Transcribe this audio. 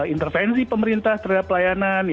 intervensi pemerintah terhadap layanan